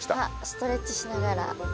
ストレッチしながら。